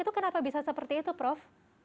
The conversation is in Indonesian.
itu kenapa bisa seperti itu prof